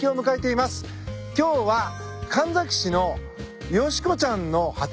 今日は神埼市のよしこちゃんの畑？